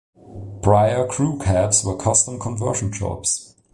Prior crew cabs were custom conversion jobs.